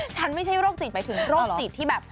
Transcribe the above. ฉันไม่ใช่โรคศิษย์ไปถึงโรคศิษย์ที่แบบ